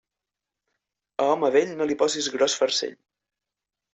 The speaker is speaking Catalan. A home vell no li posis gros farcell.